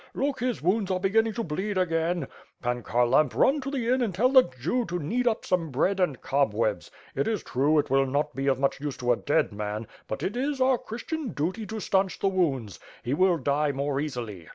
Look, his wounds are begin ning to bleed again. Pan Kharlamp run to the inn and tell the Jew to knead up some bread and cobwebs. It is true it will not be of much use to a dead man, but it is our Christian duty to stanch the wounds; he will die more easily.